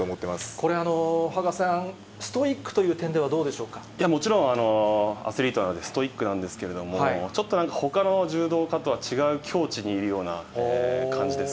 これ、羽賀さん、ストイックもちろん、アスリートなので、ストイックなんですけれども、ちょっとなんかほかの柔道家とは違う境地にいるような、感じです